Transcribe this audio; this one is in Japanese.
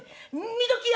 見ときや！